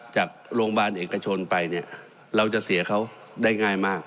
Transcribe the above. จากโรงพยาบาลเอกชนไปเนี่ยเราจะเสียเขาได้ง่ายมาก